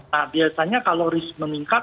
nah biasanya kalau risk